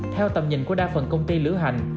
theo tầm nhìn của đa phần công ty lửa hành